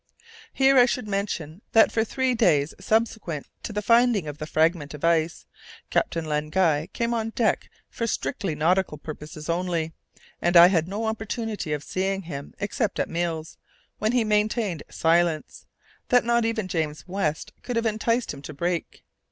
Here I should mention that for three days subsequent to the finding of the fragment of ice, Captain Len Guy came on deck for strictly nautical purposes only, and I had no opportunities of seeing him except at meals, when he maintained silence, that not even James West could have enticed him to break.